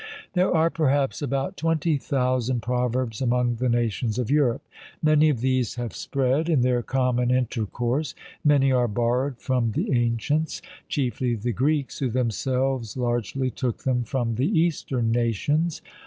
There are, perhaps, about twenty thousand proverbs among the nations of Europe: many of these have spread in their common intercourse; many are borrowed from the ancients, chiefly the Greeks, who themselves largely took them from the eastern nations.